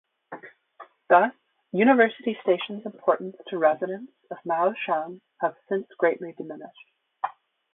Thus, University Station's importance to residents of Ma On Shan has since greatly diminished.